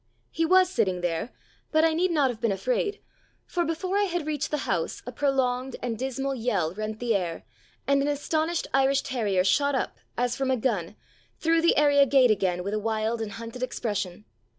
He was sitting there, but I need not have been afraid, for before I had reached the house a prolonged and dismal yell rent the air, and an astonished Irish terrier shot up, as from a gun, through the area gate again with a wild and hunted expression.